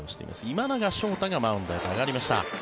今永昇太がマウンドへと上がりました。